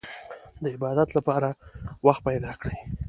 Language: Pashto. د عبادت لپاره وخت پيدا کړئ.